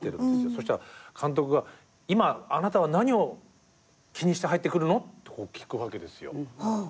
そしたら監督が「今あなたは何を気にして入ってくるの？」って聞くわけですよ。